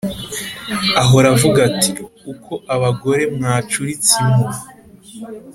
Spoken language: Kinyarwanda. Ahora avuga ati Uko abagore mwacuritse impu,